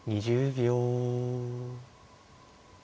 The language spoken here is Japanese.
２０秒。